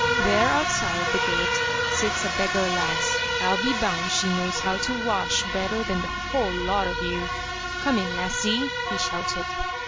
there outside the gate sits a beggar lass. T\\ be bound she knows how to wash better than the whole lot of you. Come in lassie!'' he shouted.